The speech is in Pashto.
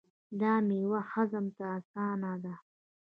دا میوه هضم ته اسانه ده.